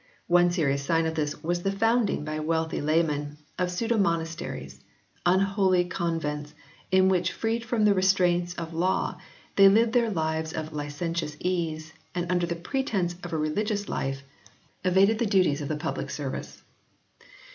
One serious sign of this was the founding by wealthy laymen of pseudo monasteries, unholy convents, in which freed from the restraints of law they lived their lives of licentious ease, and under the pretence of a religious life, evaded the duties of the public 12 HISTORY OF THE ENGLISH BIBLE [CH. service.